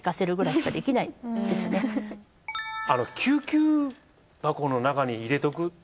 救急箱の中に入れておく。